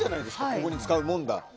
ここに使うものだと。